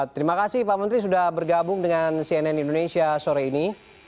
terima kasih pak menteri sudah bergabung dengan cnn indonesia sore ini